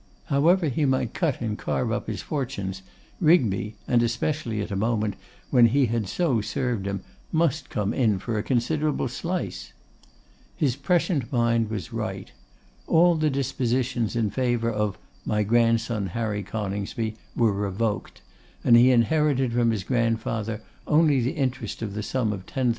However he might cut and carve up his fortunes, Rigby, and especially at a moment when he had so served him, must come in for a considerable slice. His prescient mind was right. All the dispositions in favour of 'my grandson Harry Coningsby' were revoked; and he inherited from his grandfather only the interest of the sum of 10,000_l.